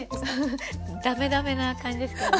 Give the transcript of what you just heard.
ダメダメな感じですけどね。